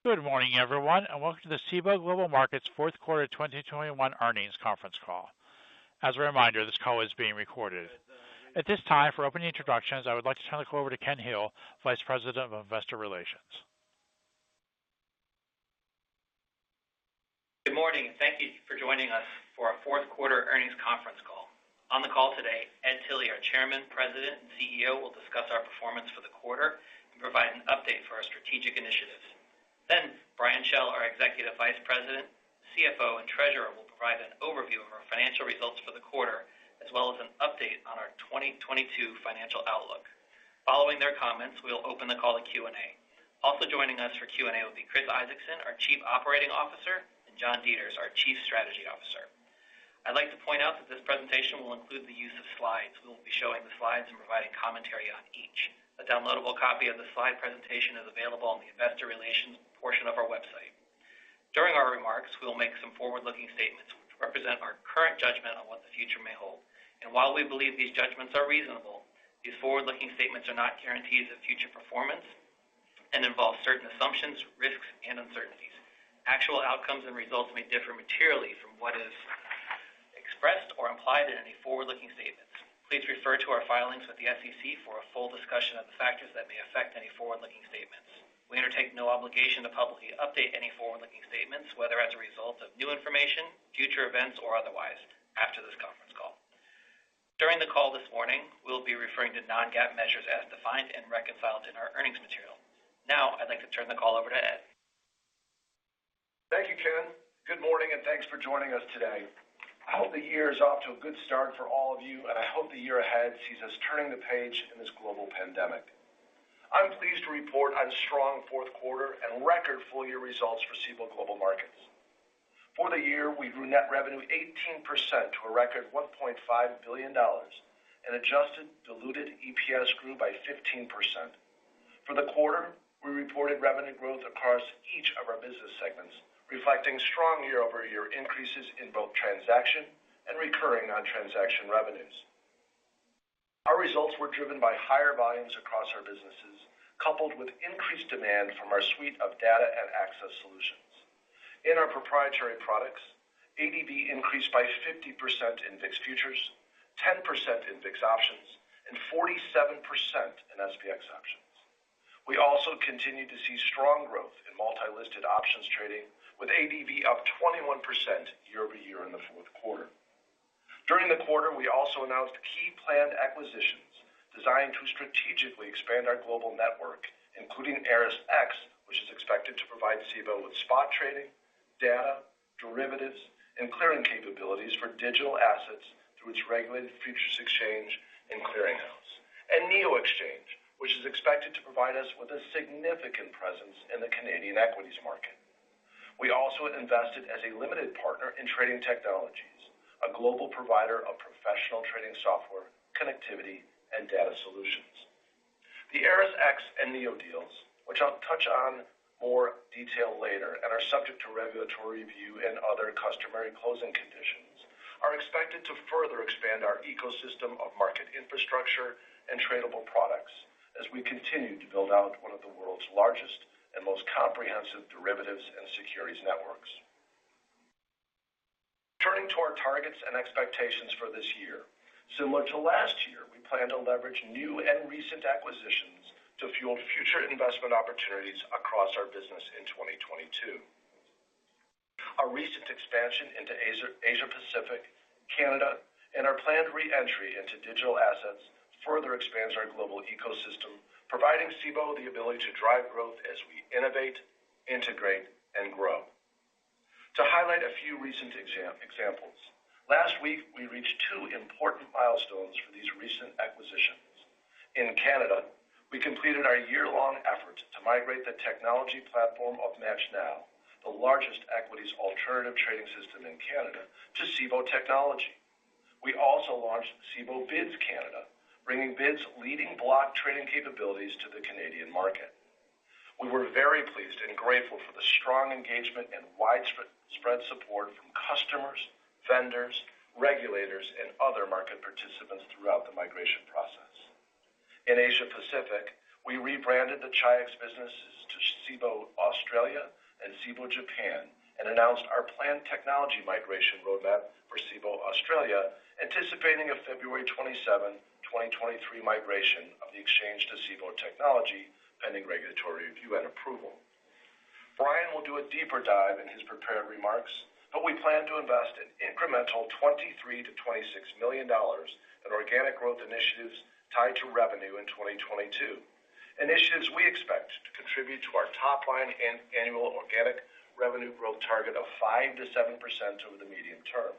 Good morning, everyone, and welcome to the Cboe Global Markets fourth quarter 2021 earnings conference call. As a reminder, this call is being recorded. At this time, for opening introductions, I would like to turn the call over to Kenneth Hill, Vice President of Investor Relations. Good morning, and thank you for joining us for our fourth quarter earnings conference call. On the call today, Edward Tilly, our Chairman, President, and CEO, will discuss our performance for the quarter and provide an update for our strategic initiatives. Then Brian Schell, our Executive Vice President, CFO, and Treasurer, will provide an overview of our financial results for the quarter, as well as an update on our 2022 financial outlook. Following their comments, we will open the call to Q&A. Also joining us for Q&A will be Chris Isaacson, our Chief Operating Officer, and John Deters, our Chief Strategy Officer. I'd like to point out that this presentation will include the use of slides. We will be showing the slides and providing commentary on each. A downloadable copy of the slide presentation is available on the investor relations portion of our website. During our remarks, we will make some forward-looking statements which represent our current judgment on what the future may hold. While we believe these judgments are reasonable, these forward-looking statements are not guarantees of future performance and involve certain assumptions, risks, and uncertainties. Actual outcomes and results may differ materially from what is expressed or implied in any forward-looking statements. Please refer to our filings with the SEC for a full discussion of the factors that may affect any forward-looking statements. We undertake no obligation to publicly update any forward-looking statements, whether as a result of new information, future events, or otherwise after this conference call. During the call this morning, we'll be referring to non-GAAP measures as defined and reconciled in our earnings material. Now, I'd like to turn the call over to Ed. Thank you, Ken. Good morning, and thanks for joining us today. I hope the year is off to a good start for all of you, and I hope the year ahead sees us turning the page in this global pandemic. I'm pleased to report on strong fourth quarter and record full-year results for Cboe Global Markets. For the year, we grew net revenue 18% to a record $1.5 billion and adjusted diluted EPS grew by 15%. For the quarter, we reported revenue growth across each of our business segments, reflecting strong year-over-year increases in both transaction and recurring non-transaction revenues. Our results were driven by higher volumes across our businesses, coupled with increased demand from our suite of Data and Access Solutions. In our proprietary products, ADV increased by 50% in VIX futures, 10% in VIX options, and 47% in SPX options. We also continued to see strong growth in multi-listed options trading, with ADV up 21% year-over-year in the fourth quarter. During the quarter, we also announced key planned acquisitions designed to strategically expand our global network, including ErisX, which is expected to provide Cboe with spot trading, data, derivatives, and clearing capabilities for digital assets through its regulated futures exchange and clearinghouse. NEO Exchange, which is expected to provide us with a significant presence in the Canadian equities market. We also invested as a limited partner in Trading Technologies, a global provider of professional trading software, connectivity, and data solutions. The ErisX and Neo deals, which I'll touch on more detail later and are subject to regulatory review and other customary closing conditions, are expected to further expand our ecosystem of market infrastructure and tradable products as we continue to build out one of the world's largest and most comprehensive derivatives and securities networks. Turning to our targets and expectations for this year. Similar to last year, we plan to leverage new and recent acquisitions to fuel future investment opportunities across our business in 2022. Our recent expansion into Asia Pacific, Canada, and our planned re-entry into digital assets further expands our global ecosystem, providing Cboe the ability to drive growth as we innovate, integrate, and grow. To highlight a few recent examples, last week, we reached two important milestones for these recent acquisitions. In Canada, we completed our year-long effort to migrate the technology platform of MATCHNow, the largest equities alternative trading system in Canada, to Cboe technology. We also launched Cboe BIDS Canada, bringing BIDS leading block trading capabilities to the Canadian market. We were very pleased and grateful for the strong engagement and widespread support from customers, vendors, regulators, and other market participants throughout the migration process. In Asia Pacific, we rebranded the Chi-X businesses to Cboe Australia and Cboe Japan and announced our planned technology migration roadmap for Cboe Australia, anticipating a February 27th, 2023 migration of the exchange to Cboe technology, pending regulatory review and approval. Brian will do a deeper dive in his prepared remarks, but we plan to invest an incremental $23 million-$26 million in organic growth initiatives tied to revenue in 2022. Initiatives we expect to contribute to our top line annual organic revenue growth target of 5%-7% over the medium term.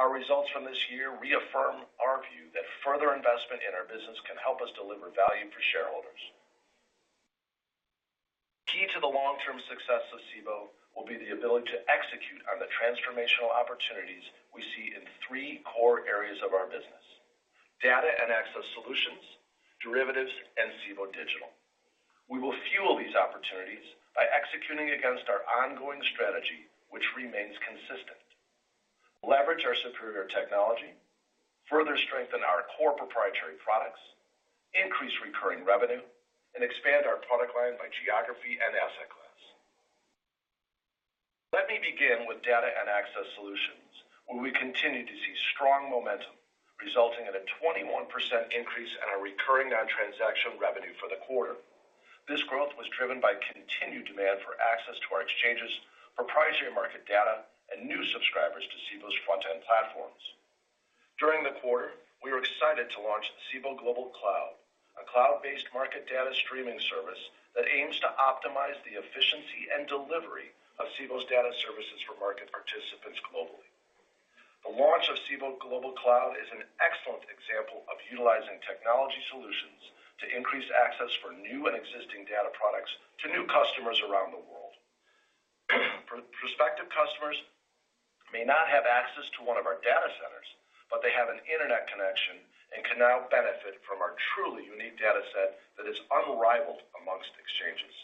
Our results from this year reaffirm our view that further investment in our business can help us deliver value for shareholders. Key to the long-term success of Cboe will be the ability to execute on the transformational opportunities we see in three core areas of our business: Data and Access Solutions, derivatives, and Cboe Digital. We will fuel these opportunities by executing against our ongoing strategy, which remains consistent. Leverage our superior technology, further strengthen our core proprietary products, increase recurring revenue, and expand our product line by geography and asset class. Let me begin with Data and Access Solutions, where we continue to see strong momentum resulting in a 21% increase in our recurring non-transaction revenue for the quarter. This growth was driven by continued demand for access to our exchanges, proprietary market data, and new subscribers to Cboe's front-end platforms. During the quarter, we were excited to launch Cboe Global Cloud, a cloud-based market data streaming service that aims to optimize the efficiency and delivery of Cboe's data services for market participants globally. The launch of Cboe Global Cloud is an excellent example of utilizing technology solutions to increase access for new and existing data products to new customers around the world. Prospective customers may not have access to one of our data centers, but they have an internet connection and can now benefit from our truly unique data set that is unrivaled among exchanges.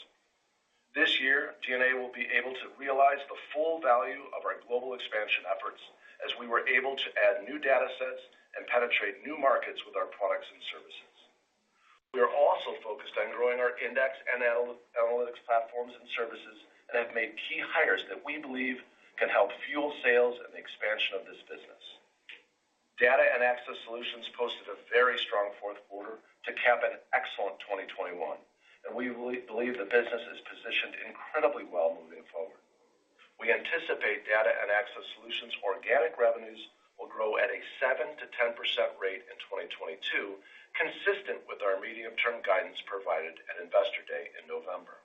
This year, DNA will be able to realize the full value of our global expansion efforts as we were able to add new data sets and penetrate new markets with our products and services. We are also focused on growing our index and analytics platforms and services and have made key hires that we believe can help fuel sales and the expansion of this business. Data and Access Solutions posted a very strong fourth quarter to cap an excellent 2021, and we believe the business is positioned incredibly well moving forward. We anticipate Data and Access Solutions organic revenues will grow at a 7%-10% rate in 2022, consistent with our medium-term guidance provided at Investor Day in November.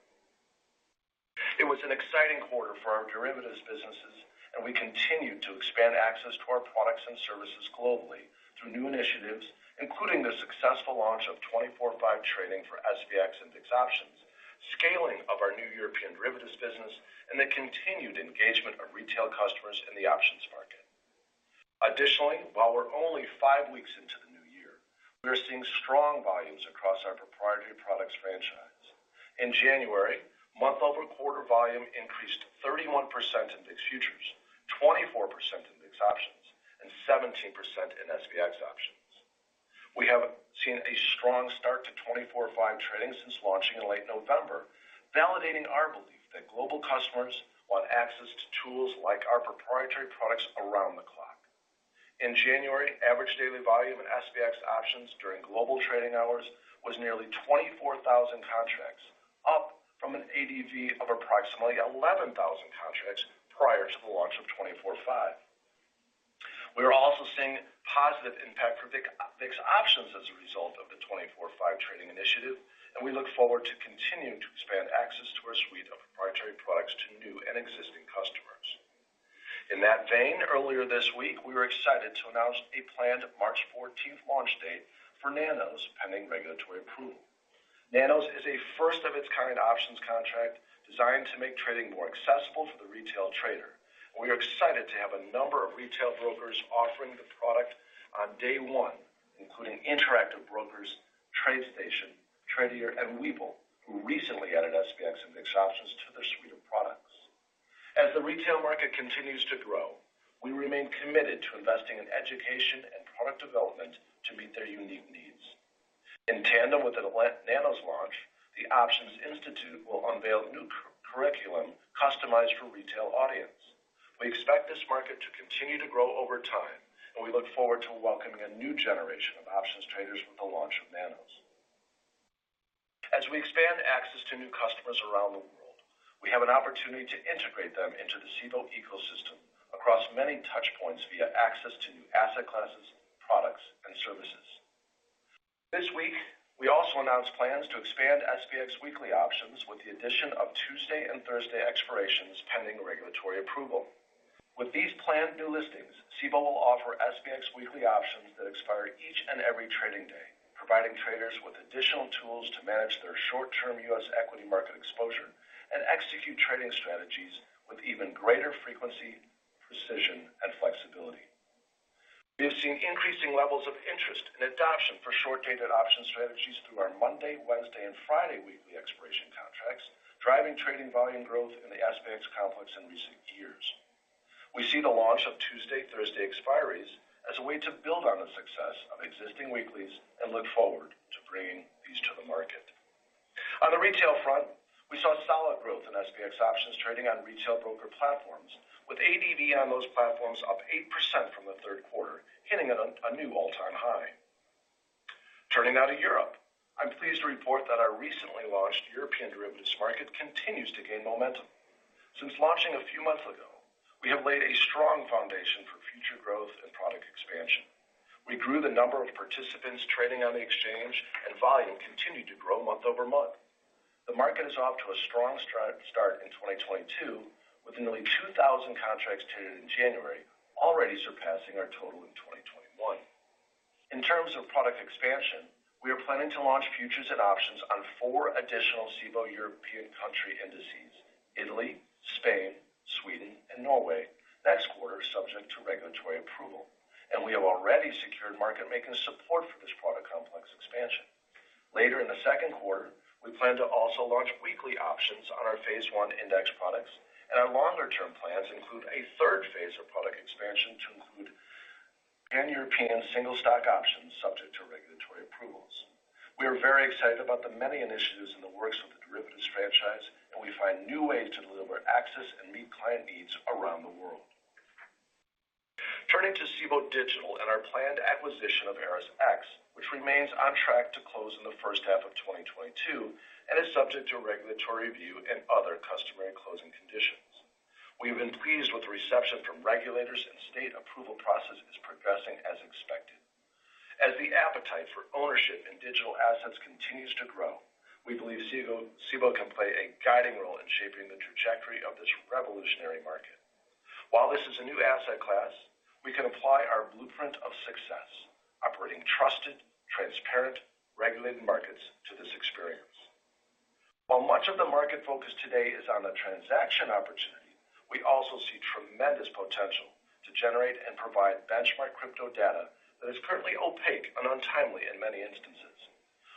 It was an exciting quarter for our derivatives businesses, and we continue to expand access to our products and services globally through new initiatives, including the successful launch of 24x5 trading for SPX index options, scaling of our new European derivatives business, and the continued engagement of retail customers in the options market. Additionally, while we're only five weeks into the new year, we are seeing strong volumes across our proprietary products franchise. In January, month-over-quarter volume increased 31% in index futures, 24% in index options, and 17% in SPX options. We have seen a strong start to 24x5 trading since launching in late November, validating our belief that global customers want access to tools like our proprietary products around the clock. In January, average daily volume in SPX options during global trading hours was nearly 24,000 contracts, up from an ADV of approximately 11,000 contracts prior to the launch of 24x5. We are also seeing positive impact for VIX options as a result of the 24x5 trading initiative, and we look forward to continuing to expand access to our suite of proprietary products to new and existing customers. In that vein, earlier this week, we were excited to announce a planned March 14th launch date for Nanos pending regulatory approval. Nanos is a first of its kind options contract designed to make trading more accessible for the retail trader. We are excited to have a number of retail brokers offering the product on day one, including Interactive Brokers, TradeStation, Tradier, and Webull, who recently added SPX and VIX options to their suite of products. As the retail market continues to grow, we remain committed to investing in education and product development to meet their unique needs. In tandem with the Nanos launch, the Options Institute will unveil new curriculum customized for retail audience. We expect this market to continue to grow over time, and we look forward to welcoming a new generation of options traders with the launch of Nanos. As we expand access to new customers around the world, we have an opportunity to integrate them into the Cboe ecosystem across many touch points via access to new asset classes, products, and services. This week, we also announced plans to expand SPX weekly options with the addition of Tuesday and Thursday expirations pending regulatory approval. With these planned new listings, Cboe will offer SPX weekly options that expire each and every trading day, providing traders with additional tools to manage their short-term U.S. equity market exposure and execute trading strategies with even greater frequency, precision, and flexibility. We have seen increasing levels of interest and adoption for short-dated option strategies through our Monday, Wednesday, and Friday weekly expiration contracts, driving trading volume growth in the SPX complex in recent years. We see the launch of Tuesday, Thursday expiries as a way to build on the success of existing weeklies and look forward to bringing these to the market. On the retail front, we saw solid growth in SPX options trading on retail broker platforms, with ADV on those platforms up 8% from the third quarter, hitting a new all-time high. Turning now to Europe, I'm pleased to report that our recently launched European derivatives market continues to gain momentum. Since launching a few months ago, we have laid a strong foundation for future growth and product expansion. We grew the number of participants trading on the exchange, and volume continued to grow month-over-month. The market is off to a strong start in 2022, with nearly 2,000 contracts traded in January, already surpassing our total in 2021. In terms of product expansion, we are planning to launch futures and options on four additional Cboe European country indices, Italy, Spain, Sweden, and Norway, next quarter, subject to regulatory approval. We have already secured market making support for this product complex expansion. Later in the second quarter, we plan to also launch weekly options on our phase one index products, and our longer-term plans include a third phase of product expansion to include pan-European single stock options subject to regulatory approvals. We are very excited about the many initiatives in the works with the derivatives franchise, and we find new ways to deliver access and meet client needs around the world. Turning to Cboe Digital and our planned acquisition of ErisX, which remains on track to close in the first half of 2022 and is subject to regulatory review and other customary closing conditions. We've been pleased with the reception from regulators, and the state approval process is progressing as expected. As the appetite for ownership in digital assets continues to grow, we believe Cboe can play a guiding role in shaping the trajectory of this revolutionary market. While this is a new asset class, we can apply our blueprint of success, operating trusted, transparent, regulated markets to this experience. While much of the market focus today is on the transaction opportunity, we also see tremendous potential to generate and provide benchmark crypto data that is currently opaque and untimely in many instances.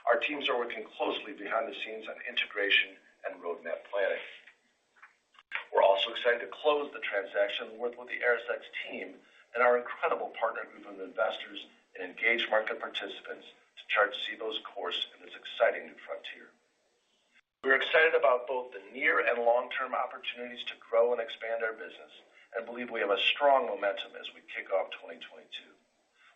Our teams are working closely behind the scenes on integration and roadmap planning. We're also excited to close the transaction and work with the ErisX team and our incredible partner group of investors and engaged market participants to chart Cboe's course in this exciting new frontier. We're excited about both the near and long-term opportunities to grow and expand our business, and believe we have a strong momentum as we kick off 2022.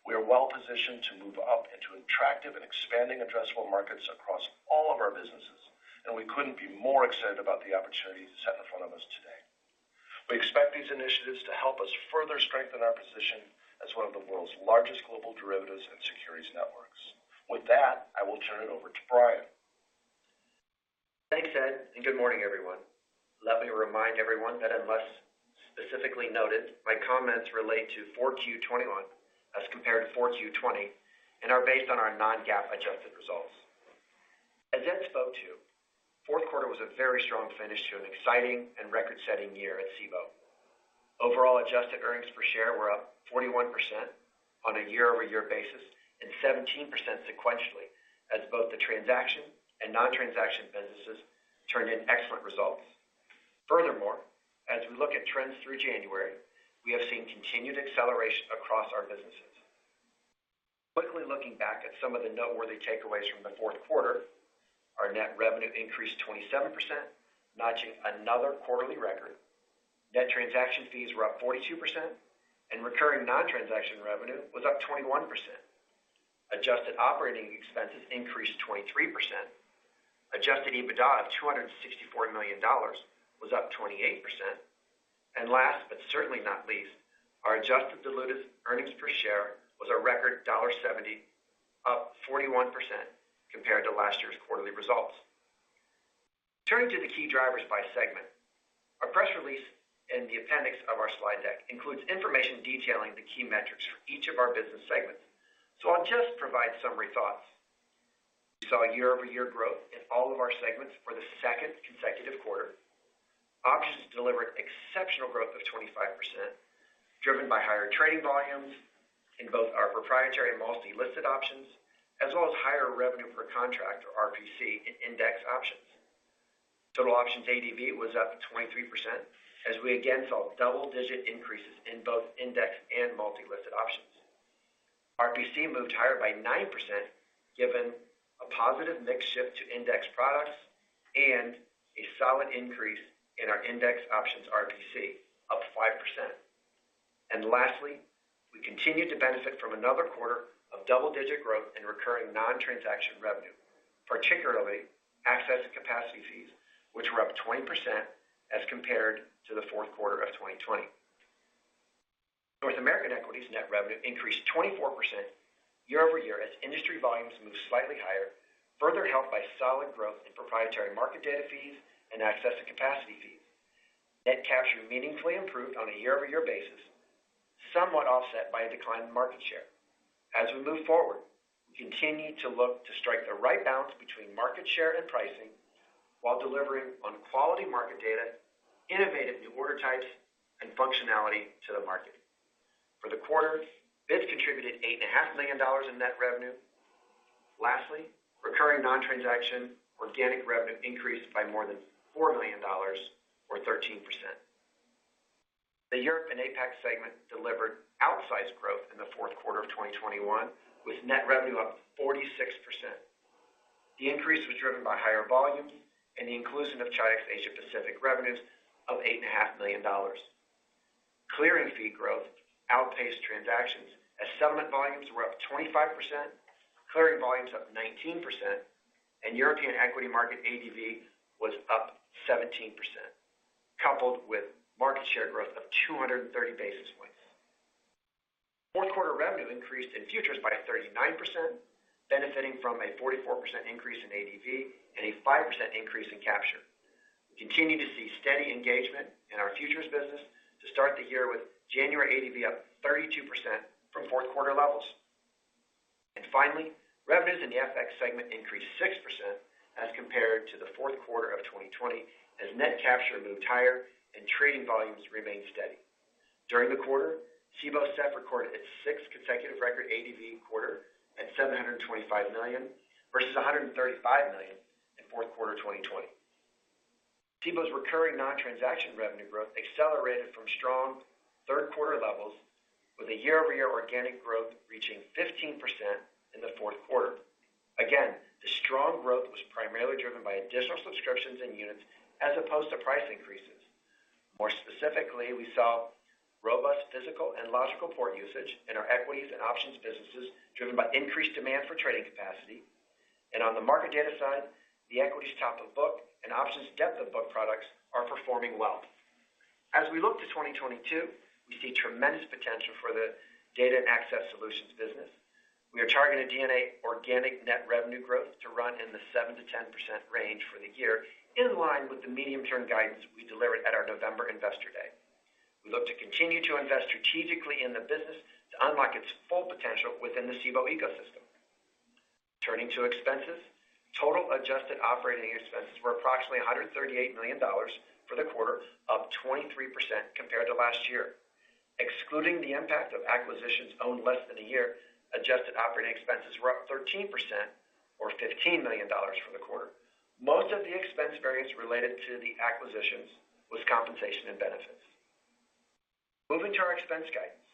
We are well-positioned to move up into attractive and expanding addressable markets across all of our businesses, and we couldn't be more excited about the opportunities set in front of us today. We expect these initiatives to help us further strengthen our position as one of the world's largest global derivatives and securities networks. With that, I will turn it over to Brian. Thanks, Ed, and good morning, everyone. Let me remind everyone that unless specifically noted, my comments relate to 4Q 2021 as compared to 4Q 2020 and are based on our non-GAAP adjusted results. As Ed spoke to, fourth quarter was a very strong finish to an exciting and record-setting year at Cboe. Overall adjusted earnings per share were up 41% on a year-over-year basis and 17% sequentially as both the transaction and non-transaction businesses turned in excellent results. Furthermore, as we look at trends through January, we have seen continued acceleration across our businesses. Quickly looking back at some of the noteworthy takeaways from the fourth quarter, our net revenue increased 27%, notching another quarterly record. Net transaction fees were up 42%, and recurring non-transaction revenue was up 21%. Adjusted operating expenses increased 23%. Adjusted EBITDA of $264 million was up 28%. Last, but certainly not least, our adjusted diluted earnings per share was a record $0.70, up 41% compared to last year's quarterly results. Turning to the key drivers by segment, our press release in the appendix of our slide deck includes information detailing the key metrics for each of our business segments. I'll just provide summary thoughts. We saw year-over-year growth in all of our segments for the second consecutive quarter. Options delivered exceptional growth of 25%, driven by higher trading volumes in both our proprietary and multi-listed options, as well as higher revenue per contract or RPC in index options. Total options ADV was up 23% as we again saw double-digit increases in both index and multi-listed options. RPC moved higher by 9% given a positive mix shift to index products and a solid increase in our index options RPC up 5%. Lastly, we continued to benefit from another quarter of double-digit growth in recurring non-transaction revenue, particularly access and capacity fees, which were up 20% as compared to the fourth quarter of 2020. North American Equities net revenue increased 24% year-over-year as industry volumes moved slightly higher, further helped by solid growth in proprietary market data fees and access and capacity fees. Net capture meaningfully improved on a year-over-year basis, somewhat offset by a decline in market share. As we move forward, we continue to look to strike the right balance between market share and pricing while delivering on quality market data, innovative new order types, and functionality to the market. For the quarter, BIDS contributed eight and a half million dollars in net revenue. Lastly, recurring non-transaction organic revenue increased by more than $4 million or 13%. The Europe and APAC segment delivered outsized growth in the fourth quarter of 2021, with net revenue up 46%. The increase was driven by higher volumes and the inclusion of Chi-X Asia Pacific revenues of eight and a half million dollars. Clearing fee growth outpaced transactions as settlement volumes were up 25%, clearing volumes up 19%, and European equity market ADV was up 17%, coupled with market share growth of 230 basis points. Fourth quarter revenue increased in futures by 39%, benefiting from a 44% increase in ADV and a 5% increase in capture. We continue to see steady engagement in our futures business to start the year with January ADV up 32% from fourth quarter levels. Finally, revenues in the FX segment increased 6% as compared to the fourth quarter of 2020 as net capture moved higher and trading volumes remained steady. During the quarter, Cboe's ATS recorded its sixth consecutive record ADV quarter at 725 million versus 135 million in fourth quarter 2020. Cboe's recurring non-transaction revenue growth accelerated from strong third quarter levels with a year-over-year organic growth reaching 15% in the fourth quarter. Again, the strong growth was primarily driven by additional subscriptions and units as opposed to price increases. More specifically, we saw robust physical and logical port usage in our equities and options businesses driven by increased demand for trading capacity. On the market data side, the equities top of book and options depth of book products are performing well. As we look to 2022, we see tremendous potential for the data and access solutions business. We are targeting DNA organic net revenue growth to run in the 7%-10% range for the year, in line with the medium-term guidance we delivered at our November Investor Day. We look to continue to invest strategically in the business to unlock its full potential within the Cboe ecosystem. Turning to expenses. Total adjusted operating expenses were approximately $138 million for the quarter, up 23% compared to last year. Excluding the impact of acquisitions owned less than a year, adjusted operating expenses were up 13% or $15 million for the quarter. Most of the expense variance related to the acquisitions was compensation and benefits. Moving to our expense guidance.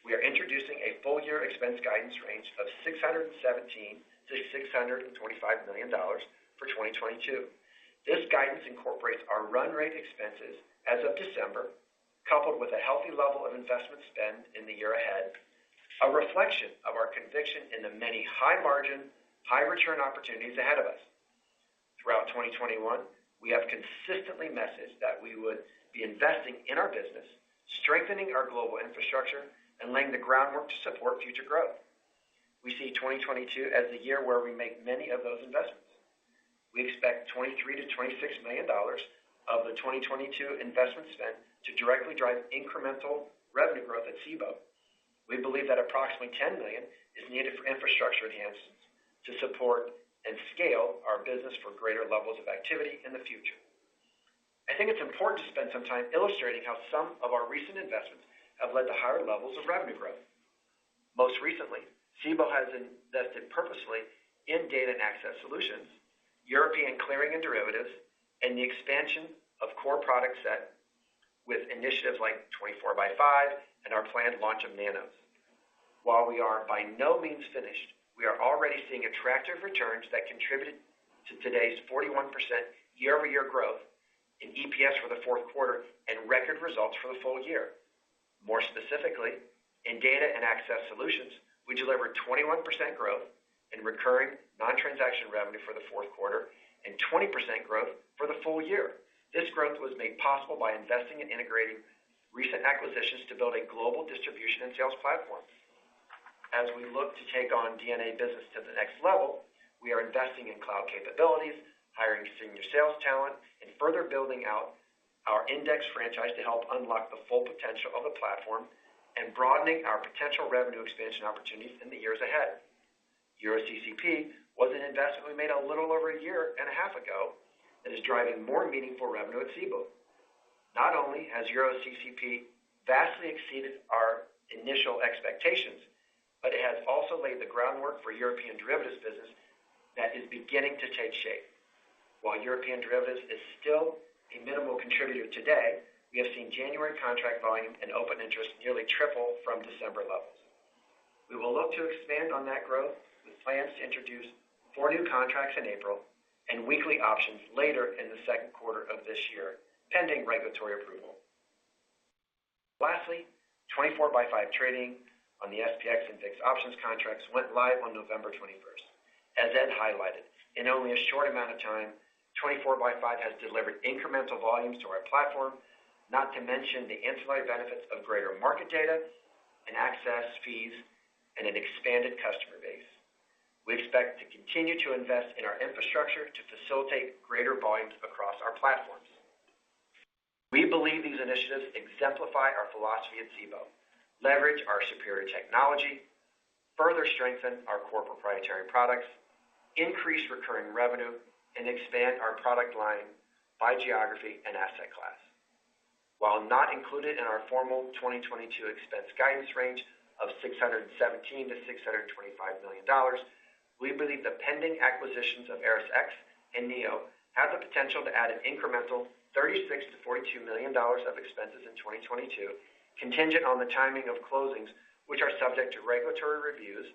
We are introducing a full-year expense guidance range of $617 million-$625 million for 2022. This guidance incorporates our run rate expenses as of December, coupled with a healthy level of investment spend in the year ahead, a reflection of our conviction in the many high margin, high return opportunities ahead of us. Throughout 2021, we have consistently messaged that we would be investing in our business, strengthening our global infrastructure, and laying the groundwork to support future growth. We see 2022 as the year where we make many of those investments. We expect $23 million-$26 million of the 2022 investment spend to directly drive incremental revenue growth at Cboe. We believe that approximately $10 million is needed for infrastructure enhancements to support and scale our business for greater levels of activity in the future. I think it's important to spend some time illustrating how some of our recent investments have led to higher levels of revenue growth. Most recently, Cboe has invested purposefully in Data and Access Solutions, European clearing and derivatives, and the expansion of core product set with initiatives like 24x5 and our planned launch of Nanos. While we are by no means finished, we are already seeing attractive returns that contributed to today's 41% year-over-year growth in EPS for the fourth quarter and record results for the full year. More specifically, in Data and Access Solutions, we delivered 21% growth in recurring non-transaction revenue for the fourth quarter and 20% growth for the full year. This growth was made possible by investing in integrating recent acquisitions to build a global distribution and sales platform. As we look to take our DNA business to the next level, we are investing in cloud capabilities, hiring senior sales talent, and further building out our index franchise to help unlock the full potential of the platform and broadening our potential revenue expansion opportunities in the years ahead. EuroCCP was an investment we made a little over a year and a half ago that is driving more meaningful revenue at Cboe. Not only has EuroCCP vastly exceeded our initial expectations, but it has also laid the groundwork for European derivatives business that is beginning to take shape. While European derivatives is still a minimal contributor today, we have seen January contract volumes and open interest nearly triple from December levels. We will look to expand on that growth with plans to introduce four new contracts in April and weekly options later in the second quarter of this year, pending regulatory approval. Lastly, 24x5 trading on the SPX index options contracts went live on November 21. As Ed highlighted, in only a short amount of time, 24x5 has delivered incremental volumes to our platform, not to mention the ancillary benefits of greater market data and access fees and an expanded customer base. We expect to continue to invest in our infrastructure to facilitate greater volumes across our platforms. We believe these initiatives exemplify our philosophy at Cboe, leverage our superior technology, further strengthen our core proprietary products, increase recurring revenue, and expand our product line by geography and asset class. While not included in our formal 2022 expense guidance range of $617 million-$625 million, we believe the pending acquisitions of ErisX and NEO have the potential to add an incremental $36 million-$42 million of expenses in 2022, contingent on the timing of closings, which are subject to regulatory reviews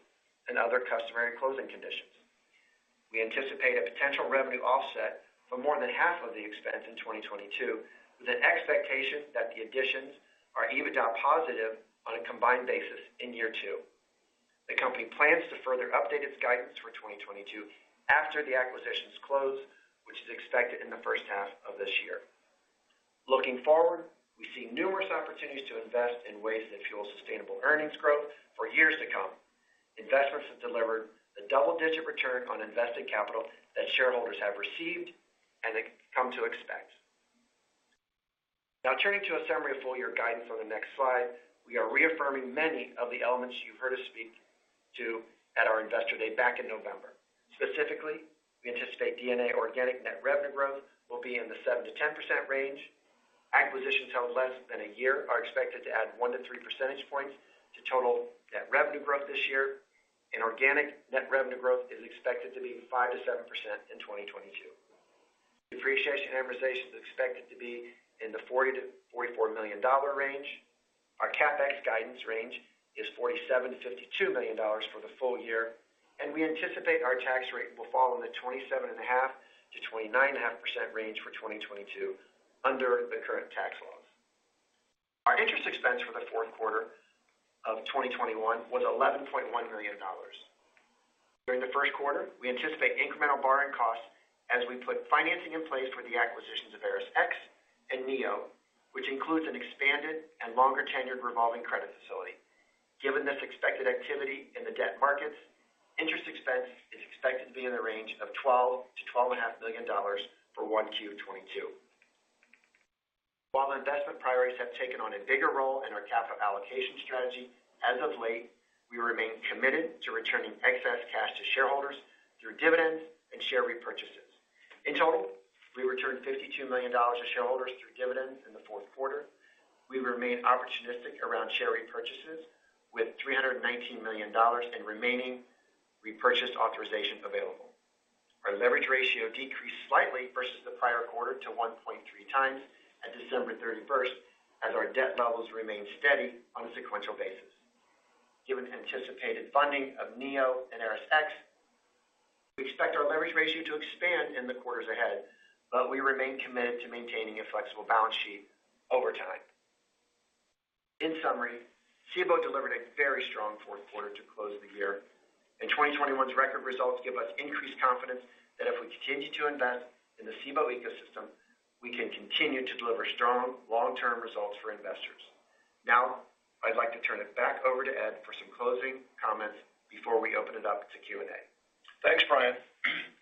and other customary closing conditions. We anticipate a potential revenue offset for more than half of the expense in 2022, with an expectation that the additions are EBITDA positive on a combined basis in year two. The company plans to further update its guidance for 2022 after the acquisitions close, which is expected in the first half of this year. Looking forward, we see numerous opportunities to invest in ways that fuel sustainable earnings growth for years to come. Investments have delivered the double-digit return on invested capital that shareholders have received and come to expect. Now turning to a summary of full-year guidance on the next slide. We are reaffirming many of the elements you've heard us speak to at our Investor Day back in November. Specifically, we anticipate DNA organic net revenue growth will be in the 7%-10% range. Acquisitions held less than a year are expected to add 1-3 percentage points to total net revenue growth this year, and organic net revenue growth is expected to be 5%-7% in 2022. Depreciation and amortization is expected to be in the $40 million-$44 million range. Our CapEx guidance range is $47 million-$52 million for the full year, and we anticipate our tax rate will fall in the 27.5%-29.5% range for 2022 under the current tax laws. Our interest expense for the fourth quarter of 2021 was $11.1 million. During the first quarter, we anticipate incremental borrowing costs as we put financing in place for the acquisitions of ErisX and NEO, which includes an expanded and longer tenured revolving credit facility. Given this expected activity in the debt markets, interest expense is expected to be in the range of $12 million-$12.5 million for 1Q 2022. While investment priorities have taken on a bigger role in our capital allocation strategy, as of late, we remain committed to returning excess cash to shareholders through dividends and share repurchases. In total, we returned $52 million to shareholders through dividends in the fourth quarter. We remain opportunistic around share repurchases with $319 million in remaining repurchased authorizations available. Our leverage ratio decreased slightly versus the prior quarter to 1.3 times at December 31st, as our debt levels remained steady on a sequential basis. Given anticipated funding of NEO and ErisX, we expect our leverage ratio to expand in the quarters ahead, but we remain committed to maintaining a flexible balance sheet over time. In summary, Cboe delivered a very strong fourth quarter to close the year, and 2021's record results give us increased confidence that if we continue to invest in the Cboe ecosystem, we can continue to deliver strong long-term results for investors. Now, I'd like to turn it back over to Ed for some closing comments before we open it up to Q&A. Thanks, Brian.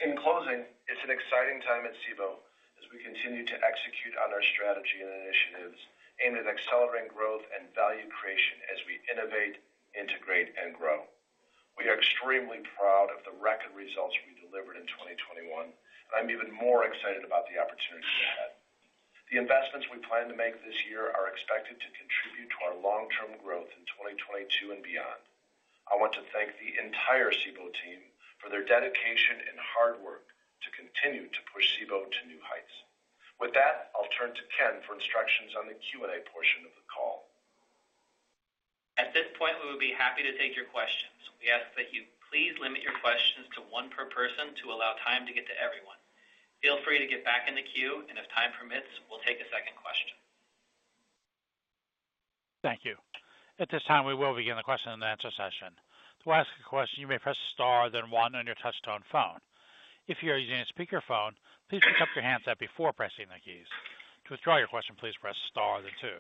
In closing, it's an exciting time at Cboe as we continue to execute on our strategy and initiatives aimed at accelerating growth and value creation as we innovate, integrate, and grow. We are extremely proud of the record results we delivered in 2021, and I'm even more excited about the opportunities ahead. The investments we plan to make this year are expected to contribute to our long-term growth in 2022 and beyond. I want to thank the entire Cboe team for their dedication and hard work to continue to push Cboe to new heights. With that, I'll turn to Ken for instructions on the Q&A portion of the call. At this point, we would be happy to take your questions. We ask that you please limit your questions to one per person to allow time to get to everyone. Feel free to get back in the queue, and if time permits, we'll take a second question. Thank you. At this time, we will begin the question and answer session. To ask a question, you may press star, then one on your touchtone phone. If you're using a speakerphone, please pick up your handset before pressing the keys. To withdraw your question, please press star then two.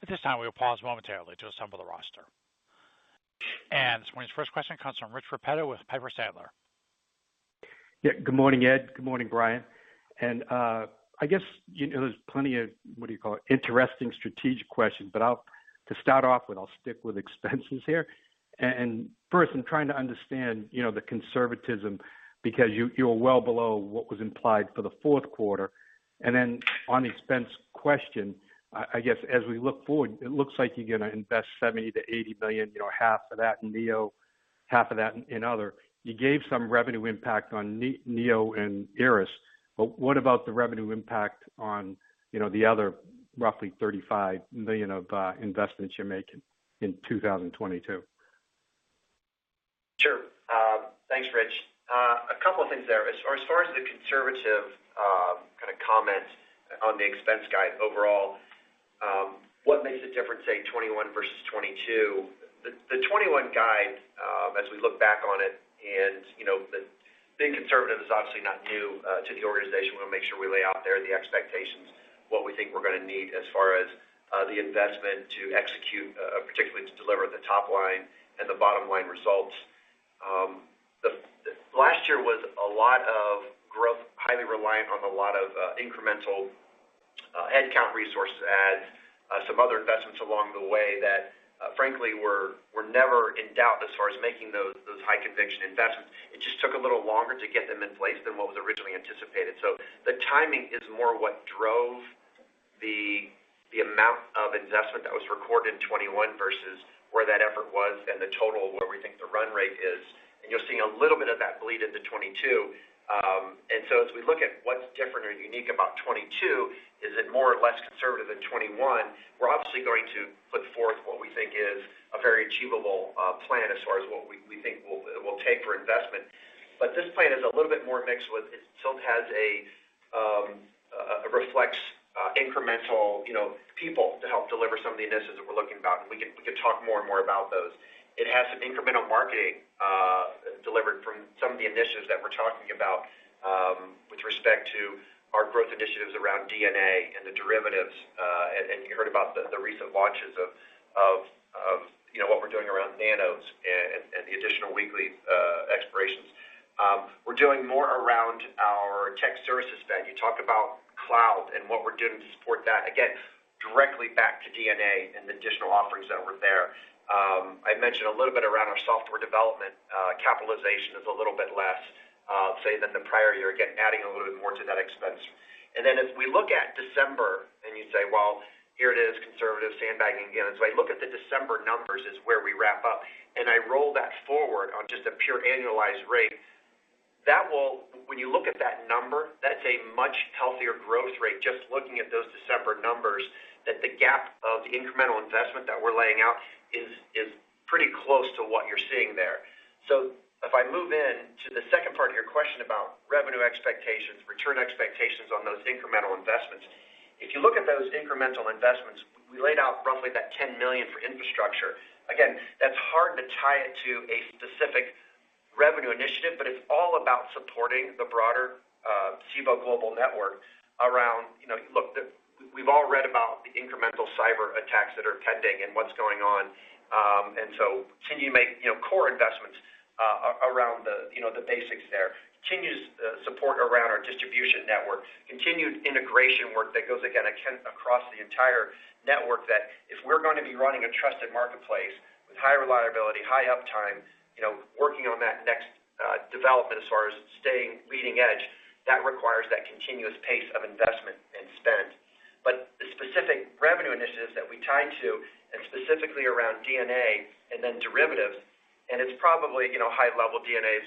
At this time, we will pause momentarily to assemble the roster. This morning's first question comes from Rich Repetto with Piper Sandler. Yeah. Good morning, Ed. Good morning, Brian. I guess, you know, there's plenty of, what do you call it, interesting strategic questions, but I'll stick with expenses here. First, I'm trying to understand, you know, the conservatism because you're well below what was implied for the fourth quarter. Then on expense question, I guess as we look forward, it looks like you're gonna invest $70 million-$80 million, you know, half of that in Neo, half of that in other. You gave some revenue impact on Neo and Eris, but what about the revenue impact on, you know, the other roughly $35 million of investments you're making in 2022? Sure. Thanks, Rich. A couple of things there. As far as the conservative kind of comment on the expense guide overall, what makes the difference say 21 versus 22? The 21 guide, as we look back on it and, you know, the being conservative is obviously not new to the organization. We wanna make sure we lay out there the expectations, what we think we're gonna need as far as the investment to execute, particularly to deliver the top line and the bottom-line results. Last year was a lot of growth, highly reliant on a lot of incremental headcount resource adds, some other investments along the way that, frankly, were never in doubt as far as making those high conviction investments. It just took a little longer to get them in place than what was originally anticipated. The timing is more what drove the amount of investment that was recorded in 2021 versus where that effort was and the total of where we think the run rate is. You're seeing a little bit of that bleed into 2022. As we look at what's different or unique about 2022, is it more or less conservative than 2021? We're obviously going to put forth what we think is a very achievable plan as far as what we think it will take for investment. This plan is a little bit more mixed with it still reflects incremental, you know, people to help deliver some of the initiatives that we're looking at, and we can talk more and more about those. It has some incremental marketing derived from some of the initiatives that we're talking about with respect to our growth initiatives around DNA and the derivatives, and you heard about the recent launches of what we're doing around Nanos and the additional work we're doing more around our tech services spend. You talked about cloud and what we're doing to support that. Again, directly back to DNA and the additional offerings that were there. I mentioned a little bit around our software development. CapEx is a little bit less, say than the prior year, again, adding a little bit more to that expense. Then as we look at December and you say, "Well, here it is, conservative sandbagging again." I look at the December numbers is where we wrap up, and I roll that forward on just a pure annualized rate. That will. When you look at that number, that's a much healthier growth rate just looking at those December numbers that the gap of the incremental investment that we're laying out is pretty close to what you're seeing there. If I move in to the second part of your question about revenue expectations, return expectations on those incremental investments. If you look at those incremental investments, we laid out roughly that $10 million for infrastructure. Again, that's hard to tie it to a specific revenue initiative, but it's all about supporting the broader Cboe Global Network. You know, we've all read about the incremental cyber attacks that are pending and what's going on. Continue to make, you know, core investments around the, you know, the basics there. Continuous support around our distribution network. Continued integration work that goes again across the entire network that if we're gonna be running a trusted marketplace with high reliability, high uptime, you know, working on that next development as far as staying leading edge, that requires that continuous pace of investment and spend. The specific revenue initiatives that we tie to, and specifically around DNA and then derivatives, and it's probably high level DNA is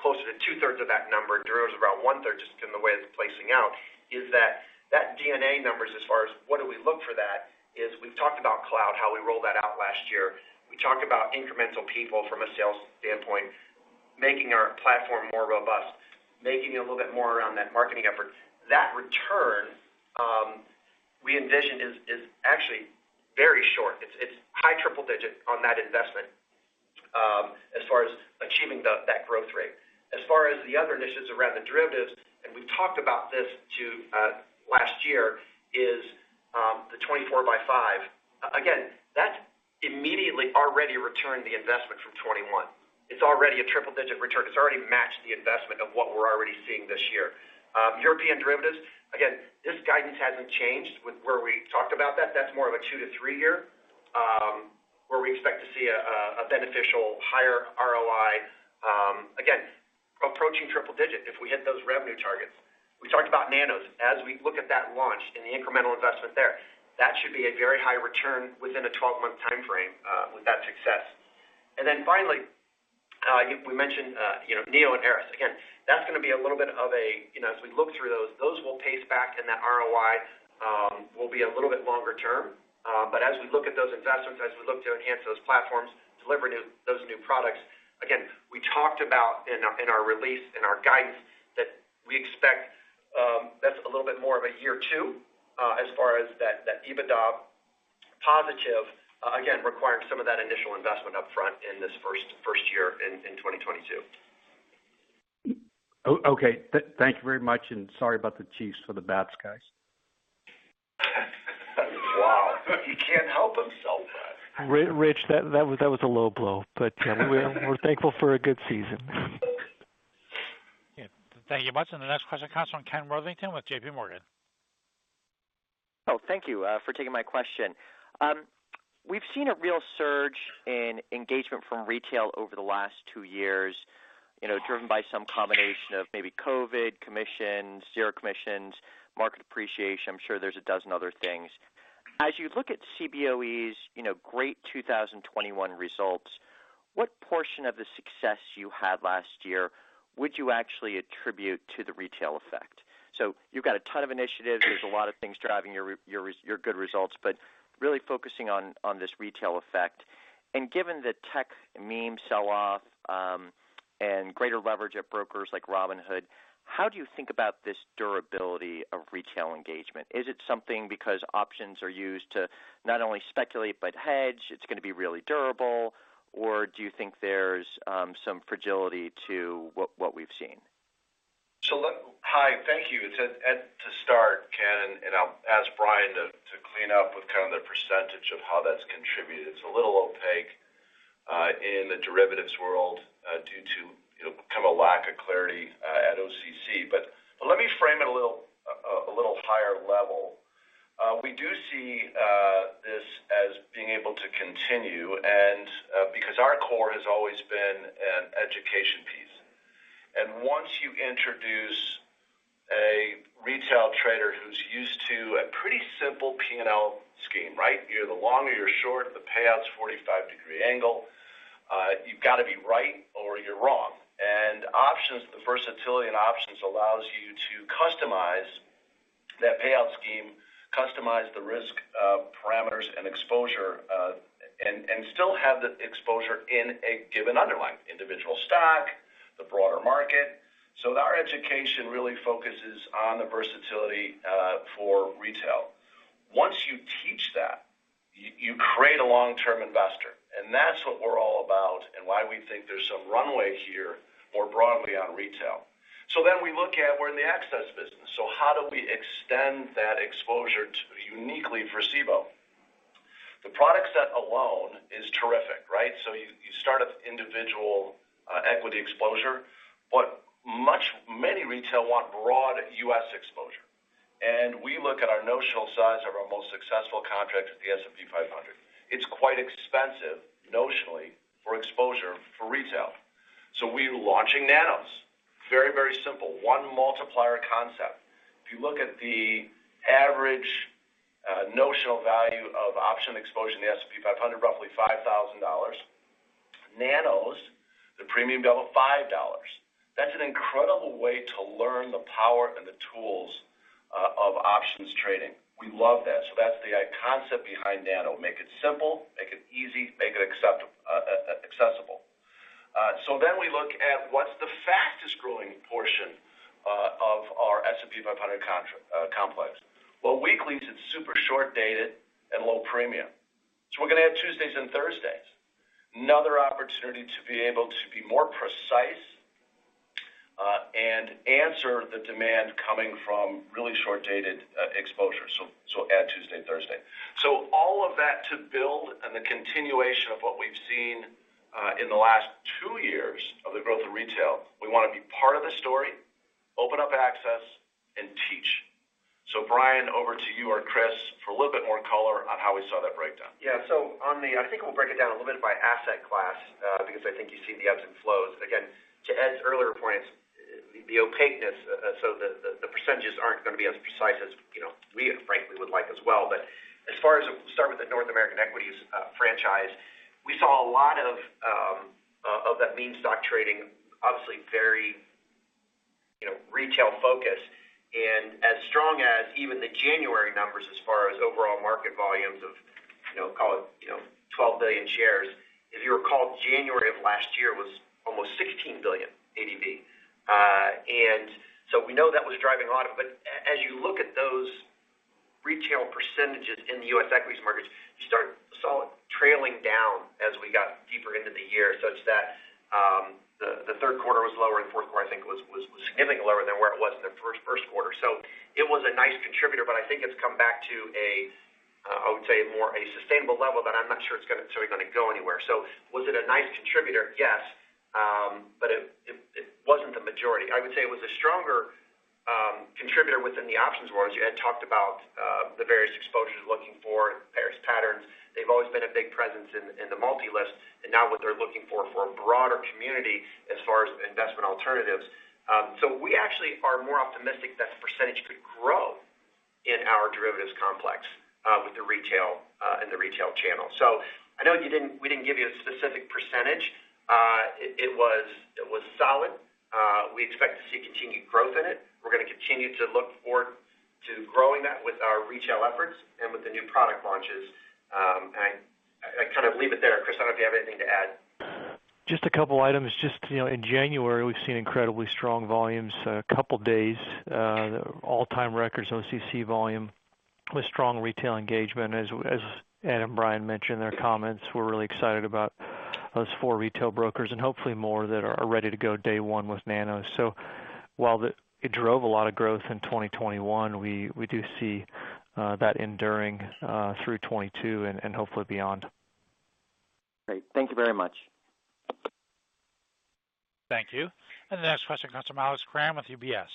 closer to 2/3 of that number, derivatives around 1/3 just in the way it's playing out, is that DNA numbers as far as what do we look for that is we've talked about cloud, how we rolled that out last year. We talked about incremental people from a sales standpoint, making our platform more robust, making a little bit more around that marketing effort. That return we envision is actually very short. It's high triple-digit on that investment as far as achieving that growth rate. As far as the other initiatives around the derivatives, and we've talked about this too last year, is the 24x5. Again, that immediately already returned the investment from 2021. It's already a triple-digit return. It's already matched the investment of what we're already seeing this year. European derivatives, again, this guidance hasn't changed with where we talked about that. That's more of a two- to three-year where we expect to see a beneficial higher ROI, again, approaching triple-digit if we hit those revenue targets. We talked about Nanos. As we look at that launch and the incremental investment there, that should be a very high return within a 12-month timeframe, with that success. Finally, we mentioned, you know, NEO and Eris. Again, that's gonna be a little bit of a. You know, as we look through those will pace back and that ROI will be a little bit longer term. As we look at those investments, as we look to enhance those platforms, deliver those new products, again, we talked about in our release, in our guidance that we expect, that's a little bit more of a year two, as far as that EBITDA positive, again, requiring some of that initial investment upfront in this first year in 2022. Okay. Thank you very much, and sorry about the Chiefs for the Bats guys. Wow. You can't help yourself. Rich, that was a low blow, but we're thankful for a good season. Yeah. Thank you much. The next question comes from Ken Worthington with J.P. Morgan. Oh, thank you for taking my question. We've seen a real surge in engagement from retail over the last two years, you know, driven by some combination of maybe COVID, commissions, zero commissions, market appreciation. I'm sure there's a dozen other things. As you look at Cboe's, you know, great 2021 results, what portion of the success you had last year would you actually attribute to the retail effect? So you've got a ton of initiatives. There's a lot of things driving your good results, but really focusing on this retail effect. Given the tech meme sell-off, and greater leverage at brokers like Robinhood, how do you think about this durability of retail engagement? Is it something because options are used to not only speculate but hedge, it's gonna be really durable, or do you think there's some fragility to what we've seen? Hi. Thank you. To start, Ken, and I'll ask Brian to clean up with kind of the percentage of how that's contributed. It's a little opaque in the derivatives world due to you know kind of a lack of clarity at OCC. Let me frame it a little higher level. We do see this as being able to continue because our core has always been an education piece. Once you introduce a retail trader who's used to a pretty simple P&L scheme, right? You're either long or you're short, the payout's 45-degree angle. You've gotta be right or you're wrong. Options, the versatility in options allows you to customize that payout scheme, customize the risk, parameters and exposure, and still have the exposure in a given underlying, individual stock, the broader market. Our education really focuses on the versatility, for retail. Once you teach that, you create a long-term investor, and that's what we're all about and why we think there's some runway here more broadly on retail. We look at. We're in the access business, so how do we extend that exposure to uniquely for Cboe? The product set alone is terrific, right? You start at the individual equity exposure, but many retail want broad US exposure. We look at our notional size of our most successful contract, the S&P 500. It's quite expensive notionally for exposure for retail. We're launching Nanos. Very simple. One multiplier concept. If you look at the average notional value of option exposure in the S&P 500, roughly $5,000. Nanos, the premium $5. That's an incredible way to learn the power and the tools of options trading. We love that. That's the idea behind Nano. Make it simple, make it easy, make it accessible. We look at what's the fastest growing portion of our S&P 500 complex. Well, weeklies, it's super short-dated and low premium. We're gonna add Tuesdays and Thursdays. Another opportunity to be able to be more precise and answer the demand coming from really short-dated exposure. Add Tuesday and Thursday. All of that to build and the continuation of what we've seen in the last two years of the growth of retail. We wanna be part of the story, open up access, and teach. Brian, over to you or Chris for a little bit more color on how we saw that breakdown. Yeah. I think we'll break it down a little bit by asset class, because I think you see the ebbs and flows. Again, to Ed's earlier point, the opaqueness, so the percentages aren't gonna be as precise as, you know, we frankly would like as well. As far as start with the North American equities franchise, we saw a lot of that meme stock trading, obviously very, you know, retail-focused. As strong as even the January numbers as far as overall market volumes of, you know, call it, 12 billion shares. If you recall, January of last year was almost 16 billion ADV. We know that was driving a lot of it. As you look at those retail percentages in the U.S. equities markets, you saw it trailing down as we got deeper into the year such that the third quarter was lower, and the fourth quarter, I think, was significantly lower than where it was in the first quarter. It was a nice contributor, but I think it's come back to a I would say more a sustainable level, but I'm not sure it's certainly gonna go anywhere. Was it a nice contributor? Yes, but it wasn't the majority. I would say it was a stronger contributor within the options world, as you had talked about the various exposures looking for various patterns. They've always been a big presence in the multi-listed, and now what they're looking for a broader community as far as investment alternatives. We actually are more optimistic that percentage could grow in our derivatives complex with the retail and the retail channel. I know we didn't give you a specific percentage. It was solid. We expect to see continued growth in it. We're gonna continue to look forward to growing that with our retail efforts and with the new product launches. I kind of leave it there. Chris, I don't know if you have anything to add. Just a couple items. Just, you know, in January, we've seen incredibly strong volumes, a couple of days, all-time records, OCC volume with strong retail engagement. As Ed and Brian mentioned in their comments, we're really excited about those four retail brokers and hopefully more that are ready to go day one with Nanos. While it drove a lot of growth in 2021, we do see that enduring through 2022 and hopefully beyond. Great. Thank you very much. Thank you. The next question comes from Alex Kramm with UBS.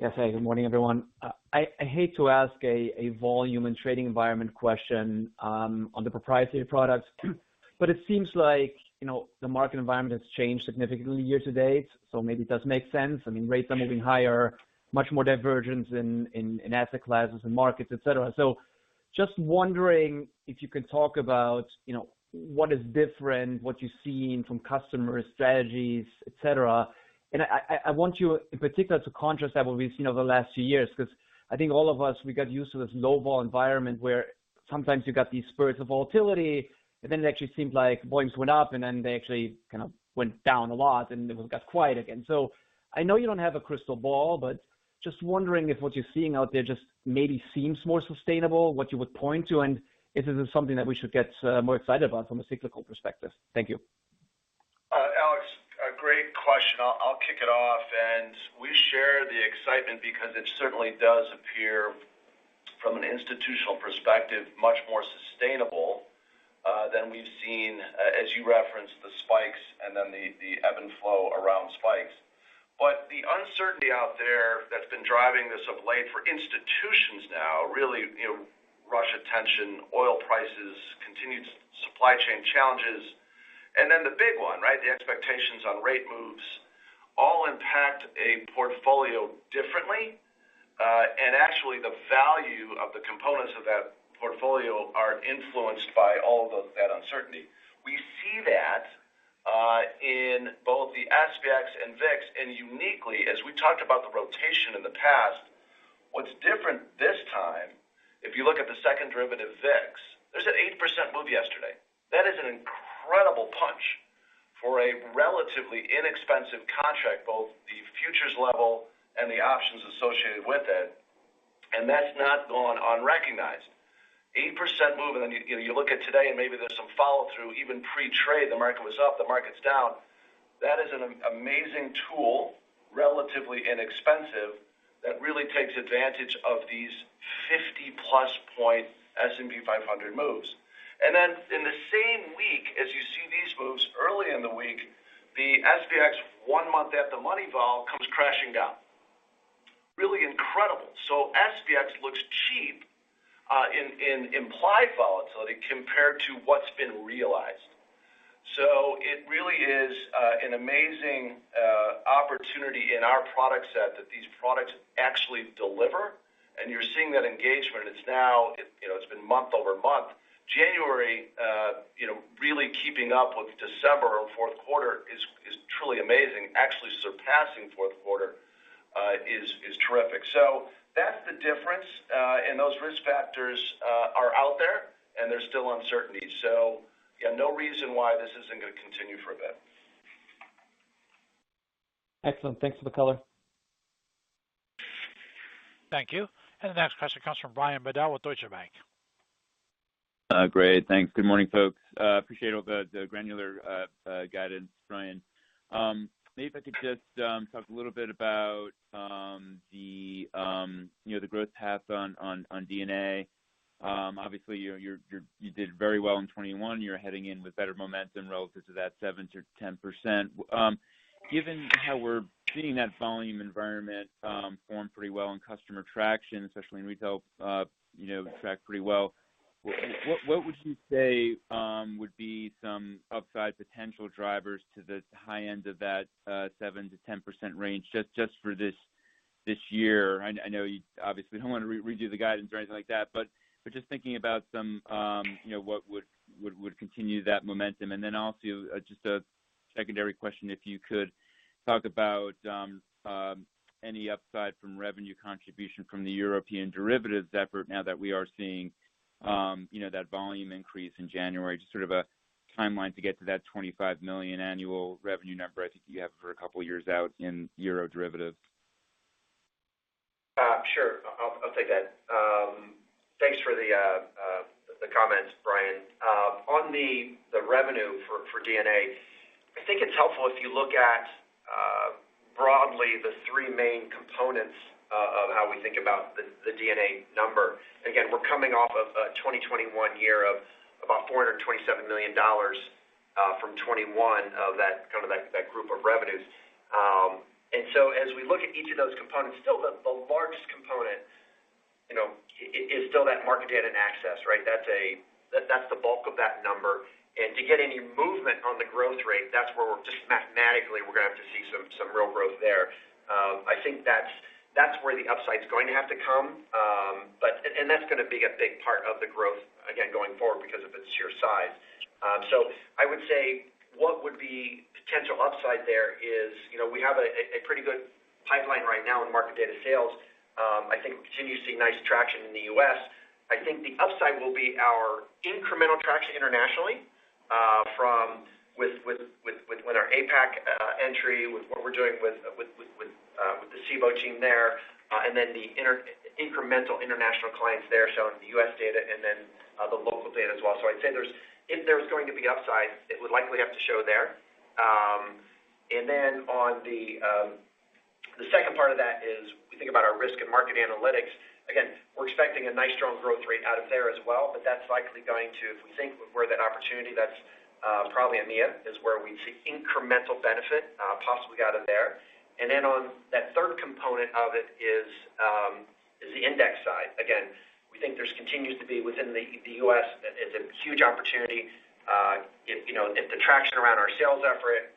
Yes. Hey, good morning, everyone. I hate to ask a volume and trading environment question on the proprietary products, but it seems like, you know, the market environment has changed significantly year to date, so maybe it does make sense. I mean, rates are moving higher, much more divergence in asset classes and markets, et cetera. So just wondering if you could talk about, you know, what is different, what you're seeing from customers, strategies, et cetera. I want you in particular to contrast that what we've seen over the last few years, because I think all of us, we got used to this low vol environment where sometimes you got these spurts of volatility, and then it actually seemed like volumes went up, and then they actually kind of went down a lot, and then it got quiet again. I know you don't have a crystal ball, but just wondering if what you're seeing out there just maybe seems more sustainable, what you would point to, and if this is something that we should get more excited about from a cyclical perspective. Thank you. Alex, a great question. I'll kick it off. We share the excitement because it certainly does appear from an institutional perspective, much more sustainable, than we've seen, as you referenced, the spikes and then the ebb and flow around spikes. The uncertainty out there that's been driving this of late for institutions now, really, you know, Russia tension, oil prices, continued supply chain challenges, and then the big one, right? The expectations on rate moves all impact a portfolio differently. Actually, the value of the components of that portfolio are influenced by all of that uncertainty. We see that in both the SPX and VIX. Uniquely, as we talked about the rotation in the past, what's different this time, if you look at the second derivative VIX, there's an 8% move yesterday. That is an incredible punch for a relatively inexpensive contract, both the futures level and the options associated with it. That's not gone unrecognized. 8% move in the You look at today and maybe there's some follow-through, even pre-trade, the market was up, the market's down. That is an amazing tool, relatively inexpensive, that really takes advantage of these 50+ point S&P 500 moves. Then in the same week, as you see these moves early in the week, the SPX one-month at-the-money vol comes crashing down. Really incredible. SPX looks cheap in implied volatility compared to what's been realized. It really is an amazing opportunity in our product set that these products actually deliver. You're seeing that engagement. It's now it, you know, it's been month-over-month. January really keeping up with December or fourth quarter is truly amazing. Actually surpassing fourth quarter is terrific. That's the difference. Those risk factors are out there, and there's still uncertainty. Yeah, no reason why this isn't gonna continue for a bit. Excellent. Thanks for the color. Thank you. The next question comes from Brian Bedell with Deutsche Bank. Great. Thanks. Good morning, folks. Appreciate all the granular guidance, Brian. Maybe if I could just talk a little bit about you know, the growth path on DNA. Obviously, you know, you did very well in 2021. You're heading in with better momentum relative to that 7%-10%. Given how we're seeing that volume environment perform pretty well in customer traction, especially in retail, you know, track pretty well, what would you say would be some upside potential drivers to the high end of that 7%-10% range just for this year? I know you obviously don't wanna redo the guidance or anything like that, but just thinking about some you know, what would continue that momentum. Also just a secondary question, if you could talk about any upside from revenue contribution from the European derivatives effort now that we are seeing, you know, that volume increase in January, just sort of a timeline to get to that $25 million annual revenue number I think you have for a couple years out in European derivatives? Sure. I'll take that. Thanks for the comments, Brian. On the revenue for DNA, I think it's helpful if you look at broadly the three main components of how we think about the DNA number. Again, we're coming off of a 2021 year of about $427 million from 2021 of that kind of group of revenues. As we look at each of those components, still the largest component, you know, is still that market data and access, right? That's the bulk of that number. To get any movement on the growth rate, that's where we're just mathematically, we're gonna have to see some real growth there. I think that's where the upside's going to have to come. That's gonna be a big part of the growth, again, going forward because of its sheer size. I would say what would be potential upside there is, you know, we have a pretty good pipeline right now in market data sales. I think we continue to see nice traction in the U.S. I think the upside will be our incremental traction internationally, from our APAC entry, with what we're doing with the Cboe team there, and then the incremental international clients there showing the U.S. data and then the local data as well. I'd say if there's going to be upside, it would likely have to show there. On the second part of that is we think about our risk and market analytics. We're expecting a nice, strong growth rate out of there as well, but that's likely going to if we think of where that opportunity, that's probably EMEA is where we'd see incremental benefit, possibly out of there. On that third component of it is the index side. We think there's continued to be within the U.S. that is a huge opportunity. You know, if the traction around our sales effort,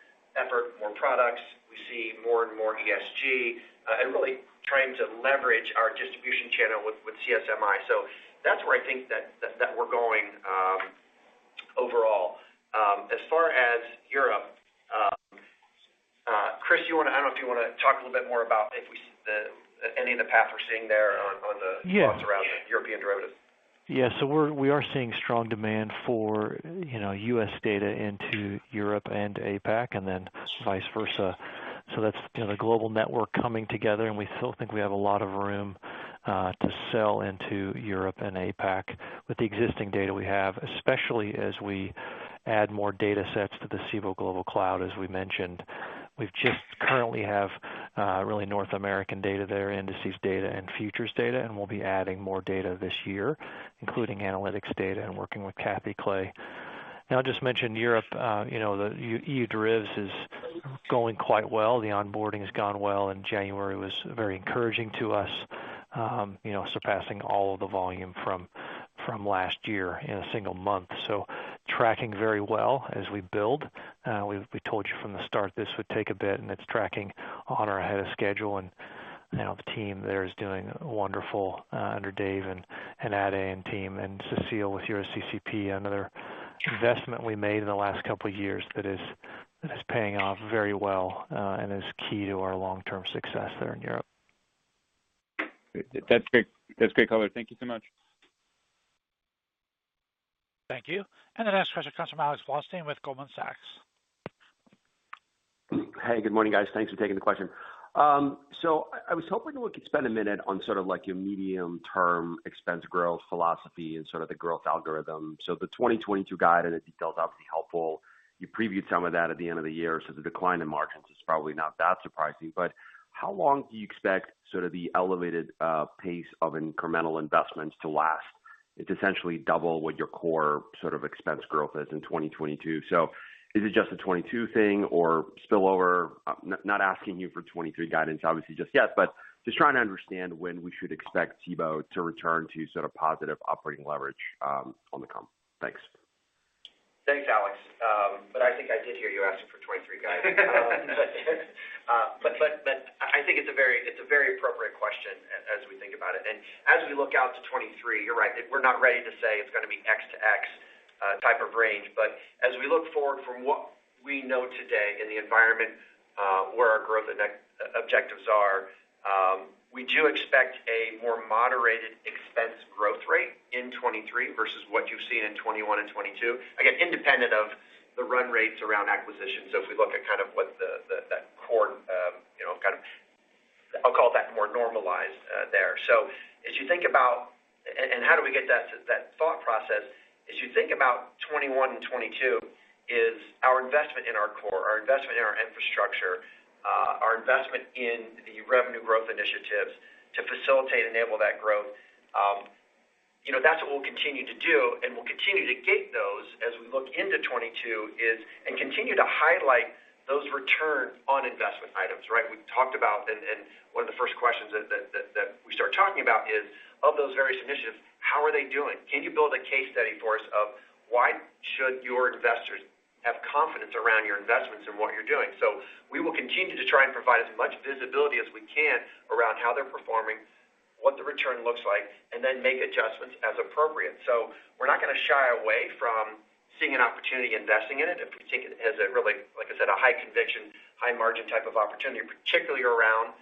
more products, we see more and more ESG and really trying to leverage our distribution channel with CSMI. That's where I think that we're going overall. As far as Europe, Chris, you wanna talk a little bit more about any of the path we're seeing there on the- Yes. Thoughts around European derivatives. We are seeing strong demand for, you know, U.S. data into Europe and APAC and then vice versa. That's, you know, the global network coming together, and we still think we have a lot of room to sell into Europe and APAC with the existing data we have, especially as we add more data sets to the Cboe Global Cloud, as we mentioned. We just currently have really North American data there, indices data and futures data, and we'll be adding more data this year, including analytics data and working with Kathy Clay. I'll just mention Europe, you know, the EU Derivs is going quite well. The onboarding has gone well, and January was very encouraging to us, surpassing all of the volume from last year in a single month. Tracking very well as we build. We've told you from the start this would take a bit, and it's tracking on or ahead of schedule. You know, the team there is doing wonderful under Dave and Ade and team, and Cecile with EuroCCP, another investment we made in the last couple of years that is paying off very well, and is key to our long-term success there in Europe. That's great. That's great color. Thank you so much. Thank you. The next question comes from Alex Blostein with Goldman Sachs. Hey, good morning, guys. Thanks for taking the question. I was hoping we could spend a minute on sort of like your medium-term expense growth philosophy and sort of the growth algorithm. The 2022 guide and the details that would be helpful. You previewed some of that at the end of the year, so the decline in margins is probably not that surprising. How long do you expect sort of the elevated pace of incremental investments to last? It's essentially double what your core sort of expense growth is in 2022. Is it just a 2022 thing or spillover? I'm not asking you for 2023 guidance obviously just yet, but just trying to understand when we should expect Cboe to return to sort of positive operating leverage on the comp. Thanks. Thanks, Alex. I think I did hear you asking for 2023 guidance. I think it's a very appropriate question as we think about it. As we look out to 2023, you're right. We're not ready to say it's gonna be X to X type of range. As we look forward from what we know today in the environment, where our growth and expense objectives are, we do expect a more moderated expense growth rate in 2023 versus what you've seen in 2021 and 2022. Again, independent of the run rates around acquisitions. If we look at kind of what that core, you know, kind of. I'll call it that more normalized there. As you think about... How do we get that thought process, as you think about 2021 and 2022? Our investment in our core, our investment in our infrastructure, our investment in the revenue growth initiatives to facilitate, enable that growth. You know, that's what we'll continue to do, and we'll continue to gate those as we look into 2022 and continue to highlight those return on investment items, right? We've talked about one of the first questions that we start talking about is, of those various initiatives, how are they doing? Can you build a case study for us of why should your investors have confidence around your investments and what you're doing? We will continue to try and provide as much visibility as we can around how they're performing, what the return looks like, and then make adjustments as appropriate. We're not gonna shy away from seeing an opportunity investing in it if we take it as a really, like I said, a high conviction, high margin type of opportunity, particularly around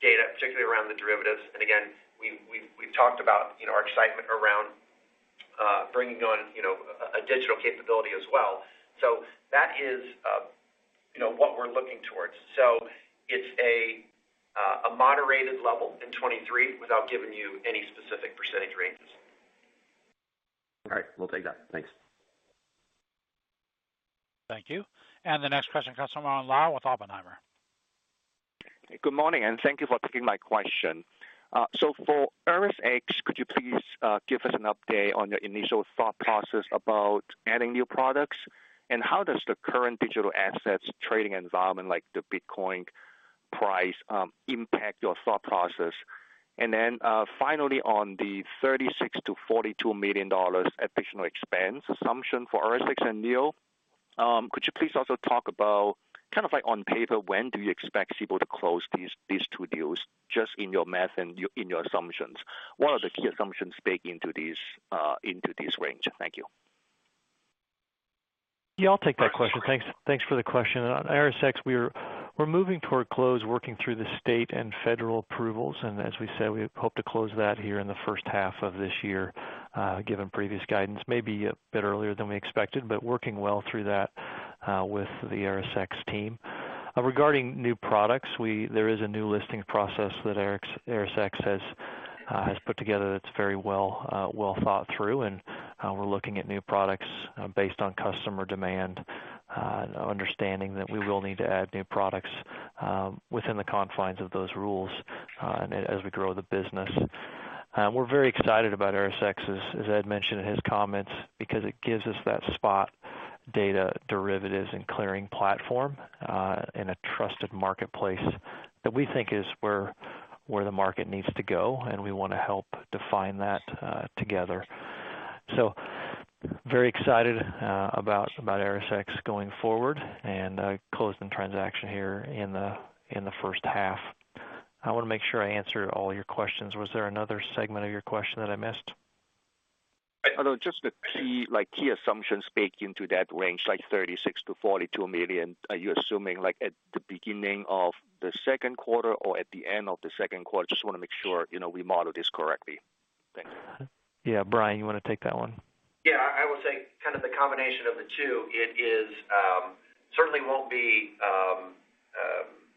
data, particularly around the derivatives. Again, we've talked about, you know, our excitement around bringing on, you know, a digital capability as well. That is, you know, what we're looking towards. It's a moderated level in 2023 without giving you any specific percentage ranges. All right. We'll take that. Thanks. Thank you. The next question comes from Owen Lau with Oppenheimer. Good morning, and thank you for taking my question. So for ErisX, could you please give us an update on your initial thought process about adding new products, and how does the current digital assets trading environment, like the Bitcoin price, impact your thought process? Finally, on the $36 million-$42 million additional expense assumption for ErisX and NEO, could you please also talk about kind of like on paper, when do you expect people to close these two deals just in your math and your assumptions? What are the key assumptions baked into this range? Thank you. Yeah, I'll take that question. Thanks for the question. On ErisX, we're moving toward close, working through the state and federal approvals, and as we said, we hope to close that here in the first half of this year, given previous guidance. Maybe a bit earlier than we expected, but working well through that with the ErisX team. Regarding new products, there is a new listing process that ErisX has put together that's very well thought through, and we're looking at new products based on customer demand, understanding that we will need to add new products within the confines of those rules and as we grow the business. We're very excited about ErisX, as Ed mentioned in his comments, because it gives us that spot data derivatives and clearing platform in a trusted marketplace that we think is where the market needs to go, and we wanna help define that together. Very excited about ErisX going forward and closing the transaction here in the first half. I wanna make sure I answer all your questions. Was there another segment of your question that I missed? No, just the key, like, key assumptions baked into that range, like $36 million-$42 million. Are you assuming, like, at the beginning of the second quarter or at the end of the second quarter? Just wanna make sure, you know, we model this correctly. Thanks. Yeah. Brian, you wanna take that one? Yeah. I would say kind of the combination of the two. It certainly won't be.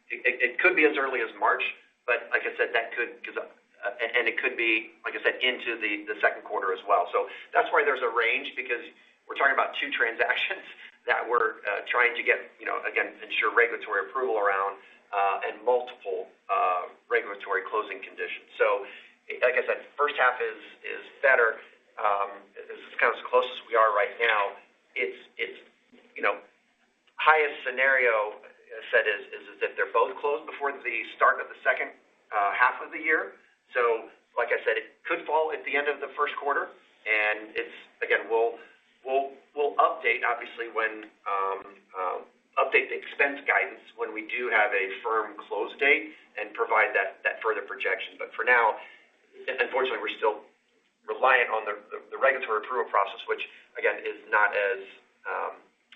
It could be as early as March, but like I said, that could. It could be, like I said, into the second quarter as well. That's why there's a range, because we're talking about two transactions that we're trying to get, you know, again ensure regulatory approval around, and multiple regulatory closing conditions. Like I said, first half is better. It's kind of as close as we are right now. It's, you know, the highest scenario is if they're both closed before the start of the second half of the year. Like I said, it could fall at the end of the first quarter and it's. Again, we'll update the expense guidance when we do have a firm close date and provide that further projection. For now, unfortunately, we're still reliant on the regulatory approval process, which again is not as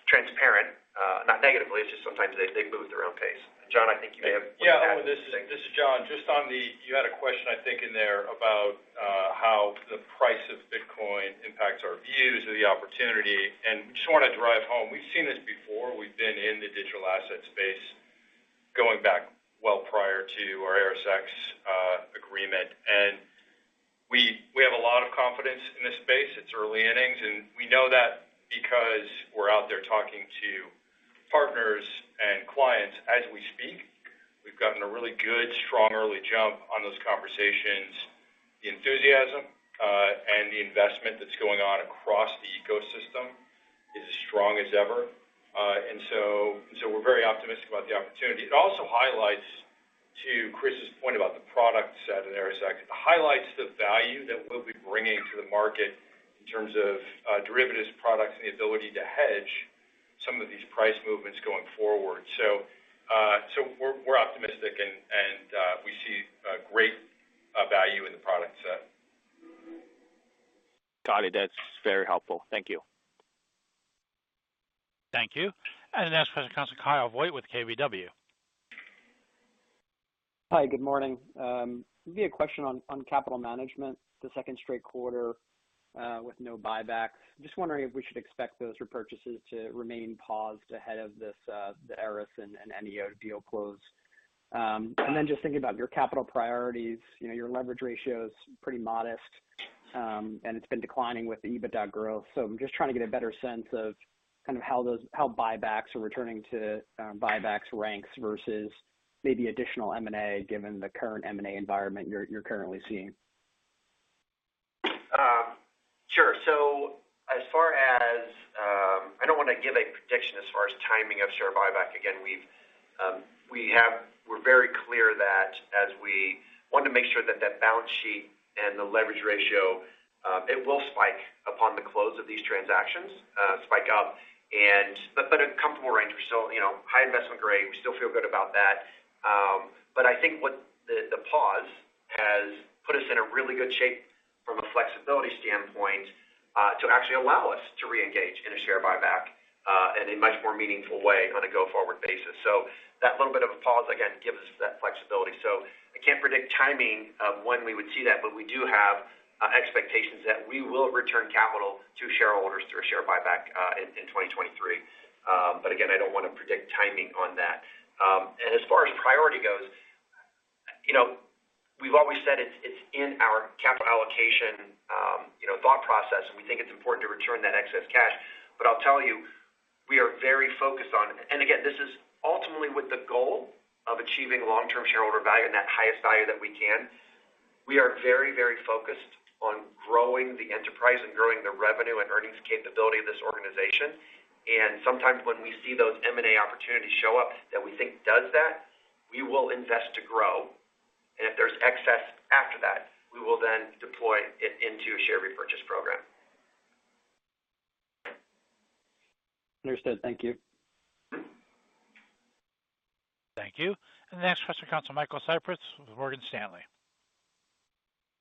transparent, not negatively. It's just sometimes they move at their own pace. John, I think you may have- Yeah. This is John. You had a question, I think, in there about how the price of Bitcoin impacts our views of the opportunity. Just wanna drive home, we've seen this before. We've been in the digital asset space going back well prior to our ErisX agreement. We have a lot of confidence in this space. It's early innings, and we know that because we're out there talking to partners and clients as we speak. We've gotten a really good, strong early jump on those conversations. The enthusiasm and the investment that's going on across the ecosystem is as strong as ever. We're very optimistic about the opportunity. It also highlights, to Chris's point about the product set in ErisX, it highlights the value that we'll be bringing to the market in terms of, derivatives products and the ability to hedge some of these price movements going forward. So we're optimistic and we see great value in the product set. Got it. That's very helpful. Thank you. Thank you. The next question comes from Kyle Voigt with KBW. Hi, good morning. Maybe a question on capital management, the second straight quarter with no buyback. Just wondering if we should expect those repurchases to remain paused ahead of the Eris and NEO deal close. Just thinking about your capital priorities, you know, your leverage ratio is pretty modest, and it's been declining with the EBITDA growth. I'm just trying to get a better sense of how returning to buybacks ranks versus maybe additional M&A, given the current M&A environment you're currently seeing. Sure. As far as I don't wanna give a prediction as far as timing of share buyback. Again, we're very clear that we want to make sure that balance sheet and the leverage ratio it will spike upon the close of these transactions, spike up and but a comfortable range. We're still, you know, high investment grade. We still feel good about that. But I think what the pause has put us in a really good shape from a flexibility standpoint to actually allow us to reengage in a share buyback in a much more meaningful way on a go-forward basis. That little bit of a pause, again, gives us that flexibility. I can't predict timing of when we would see that, but we do have expectations that we will return capital to shareholders through a share buyback in 2023. I don't wanna predict timing on that. As far as priority goes, you know, we've always said it's in our capital allocation, you know, thought process, and we think it's important to return that excess cash. I'll tell you, we are very focused on, and again, this is ultimately with the goal of achieving long-term shareholder value and that highest value that we can. We are very, very focused on growing the enterprise and growing the revenue and earnings capability of this organization. Sometimes when we see those M&A opportunities show up that we think does that, we will invest to grow. If there's excess after that, we will then deploy it into a share repurchase program. Understood. Thank you. Thank you. The next question comes from Michael Cyprys with Morgan Stanley.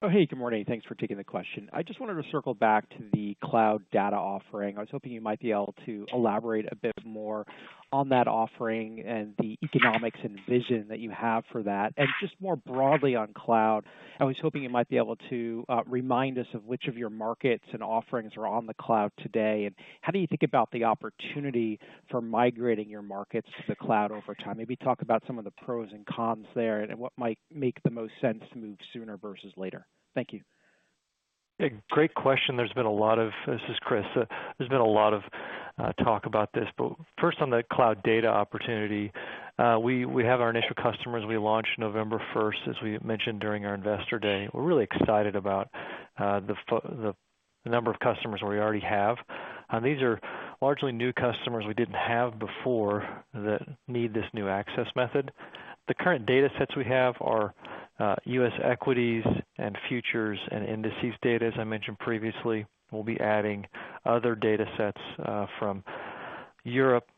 Oh, hey, good morning. Thanks for taking the question. I just wanted to circle back to the cloud data offering. I was hoping you might be able to elaborate a bit more on that offering and the economics and vision that you have for that. Just more broadly on cloud, I was hoping you might be able to remind us of which of your markets and offerings are on the cloud today, and how do you think about the opportunity for migrating your markets to the cloud over time? Maybe talk about some of the pros and cons there and what might make the most sense to move sooner versus later. Thank you. A great question. This is Chris. There's been a lot of talk about this. First on the cloud data opportunity, we have our initial customers. We launched November first, as we mentioned during our investor day. We're really excited about the number of customers we already have. These are largely new customers we didn't have before that need this new access method. The current datasets we have are U.S. equities and futures and indices data, as I mentioned previously. We'll be adding other datasets from Europe,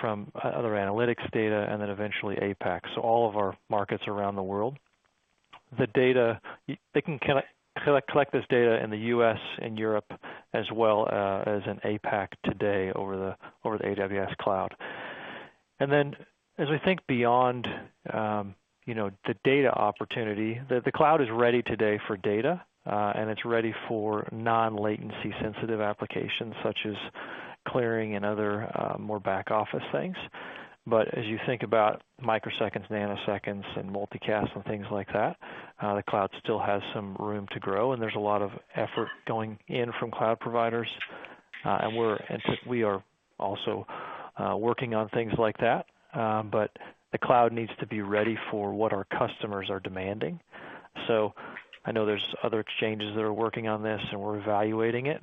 from other analytics data, and then eventually APAC. All of our markets around the world. They can collect this data in the U.S. and Europe as well, as in APAC today over the AWS cloud. As we think beyond, you know, the data opportunity, the cloud is ready today for data, and it's ready for non-latency sensitive applications such as clearing and other, more back office things. As you think about microseconds, nanoseconds, and multicast and things like that, the cloud still has some room to grow, and there's a lot of effort going in from cloud providers. We are also working on things like that. The cloud needs to be ready for what our customers are demanding. I know there's other exchanges that are working on this, and we're evaluating it.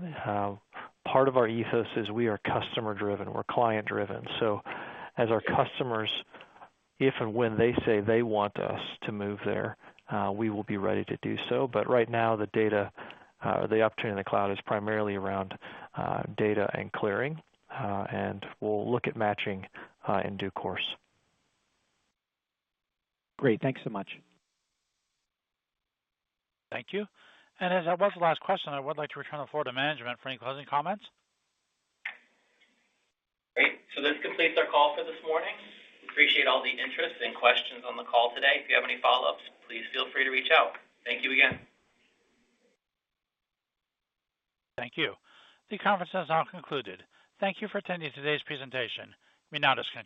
Part of our ethos is we are customer-driven, we're client-driven. As our customers, if and when they say they want us to move there, we will be ready to do so. Right now, the data, the opportunity in the cloud is primarily around data and clearing, and we'll look at matching in due course. Great. Thanks so much. Thank you. As that was the last question, I would like to return the floor to management for any closing comments. Great. This completes our call for this morning. Appreciate all the interest and questions on the call today. If you have any follow-ups, please feel free to reach out. Thank you again. Thank you. The conference has now concluded. Thank you for attending today's presentation. You may now disconnect.